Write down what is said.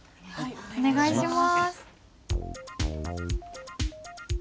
お願いします。